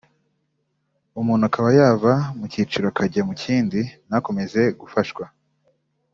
umuntu akaba yava mu cyiciro akajya mu kindi ntakomeze gufashwa